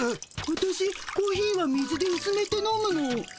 わたしコーヒーは水でうすめて飲むの。